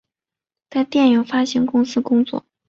在电影发行公司工作。